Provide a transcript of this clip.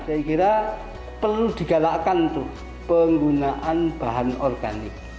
saya kira perlu digalakkan tuh penggunaan bahan organik